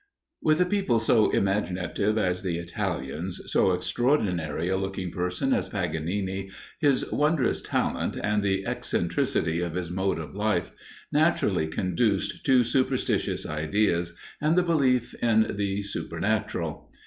With a people so imaginative as the Italians, so extraordinary a looking person as Paganini, his wondrous talent, and the eccentricity of his mode of life, naturally conduced to superstitious ideas, and the belief in the supernatural.